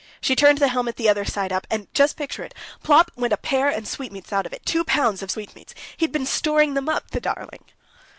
She turned the helmet the other side up, And—just picture it!—plop went a pear and sweetmeats out of it, two pounds of sweetmeats!... He'd been storing them up, the darling!"